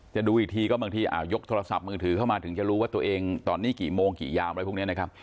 ดูอีกทีก็บางทียกโทรศัพท์มือถือเข้ามาถึงจะรู้ว่าตัวเองตอนนี้กี่โมงกี่ยามอะไรพวกนี้นะครับ